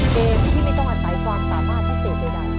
เกมที่ไม่ต้องอาศัยความสามารถพิเศษใด